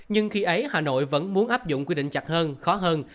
nhưng khi ấy hà nội vẫn muốn áp dụng quy định chặt hơn khó hơn